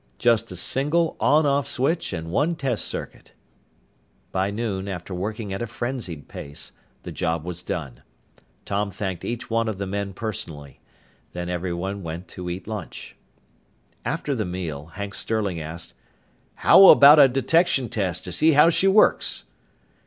"Just a single on off switch and one test circuit." By noon, after working at a frenzied pace, the job was done. Tom thanked each one of the men personally. Then everyone went to eat lunch. After the meal, Hank Sterling asked, "How about a detection test to see how she works?"